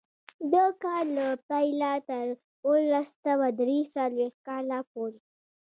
د کار له پیله تر اوولس سوه درې څلوېښت کاله پورې.